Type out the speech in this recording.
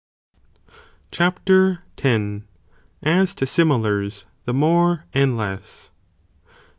Cuapr. X.—As to Similars, the more and less.